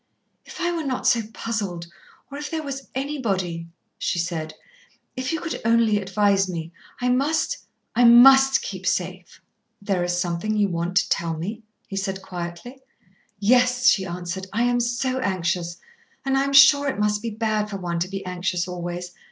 "If I were not so puzzled, or if there was anybody " she said. "If you could only advise me; I must I must keep safe." "There is something you want to tell me?" he said quietly. "Yes," she answered. "I am so anxious, and I am sure it must be bad for one to be anxious always.